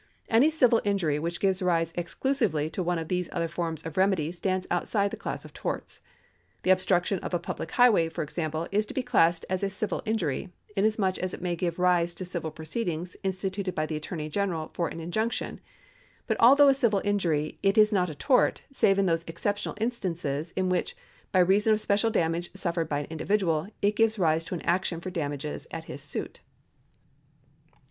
Any civil injury which gives rise exclusively to one of these other forms of remedy stands outside the class of torts. The obstruction of a public highway, for example, is to be classed as a civil injury, inasmuch as it may give rise to civil pro ceedings instituted by the Attorney General for an injunc tion ; but although a civil injury, it is not a tort, save in those exceptional instances in which, by reason of special damage suffered by an individual, it gives rise to an action for damages at his suit.